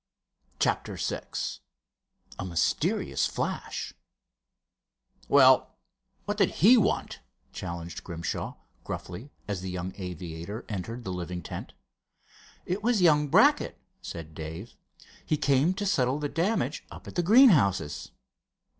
CHAPTER VI A MYSTERIOUS FLASH "Well, what did he want?" challenged Grimshaw, gruffly, as the young aviator entered the living tent. "It was young Brackett," said Dave. "He came to settle the damage up at the greenhouses."